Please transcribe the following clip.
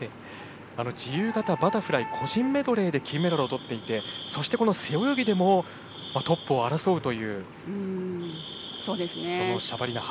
自由形、バタフライ個人メドレーで金メダルをとっていてそして背泳ぎでもトップを争うというシャバリナ。